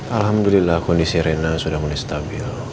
alhamdulillah kondisi rena sudah mulai stabil